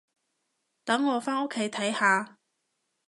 等我返屋企睇下